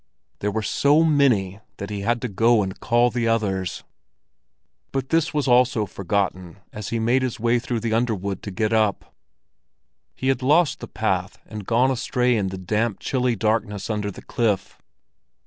There were so many that he had to go and call the others. But this was also forgotten as he made his way through the underwood to get up. He had lost the path and gone astray in the damp, chilly darkness under the cliff.